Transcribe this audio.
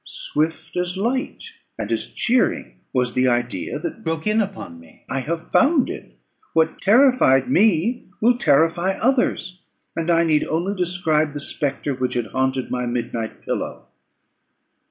Swift as light and as cheering was the idea that broke in upon me. "I have found it! What terrified me will terrify others; and I need only describe the spectre which had haunted my midnight pillow."